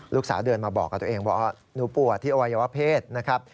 เดินมาบอกกับตัวเองบอกว่าหนูปวดที่อวัยวะเพศนะครับ